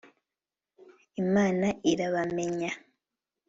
Imana irabamenya